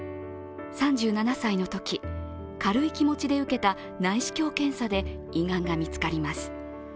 ３７歳のとき軽い気持ちで受けた内視鏡検査で胃がんが見つかります。